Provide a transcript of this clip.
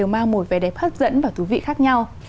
mang một vẻ đẹp hấp dẫn và thú vị khác nhau